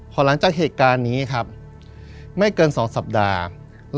พอหลังจากเหตุการณ์นี้ครับไม่เกิน๒สัปดาห์